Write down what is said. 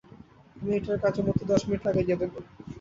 এক মিনিটের কাজে মতি দশ মিনিট লাগাইয়া দেবে।